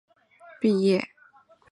日本千叶医学专门学校毕业。